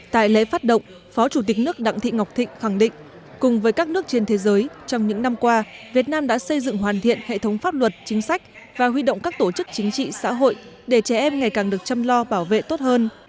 tại lễ phát động phó chủ tịch nước đặng thị ngọc thịnh khẳng định cùng với các nước trên thế giới trong những năm qua việt nam đã xây dựng hoàn thiện hệ thống pháp luật chính sách và huy động các tổ chức chính trị xã hội để trẻ em ngày càng được chăm lo bảo vệ tốt hơn